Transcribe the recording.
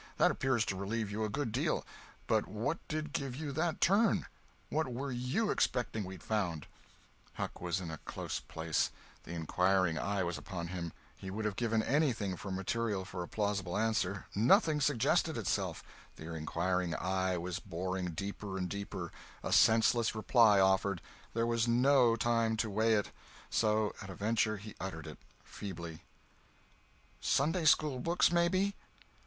That appears to relieve you a good deal. But what did give you that turn? What were you expecting we'd found?" Huck was in a close place—the inquiring eye was upon him—he would have given anything for material for a plausible answer—nothing suggested itself—the inquiring eye was boring deeper and deeper—a senseless reply offered—there was no time to weigh it, so at a venture he uttered it—feebly: "Sunday school books, maybe."